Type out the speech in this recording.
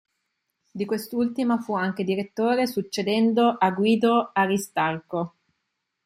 Di quest'ultima fu anche direttore, succedendo a Guido Aristarco.